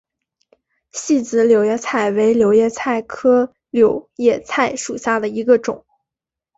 细籽柳叶菜为柳叶菜科柳叶菜属下的一个种。